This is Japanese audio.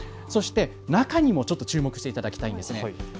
中にも注目していただきたいです。